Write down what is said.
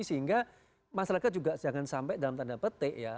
sehingga masyarakat juga jangan sampai dalam tanda petik ya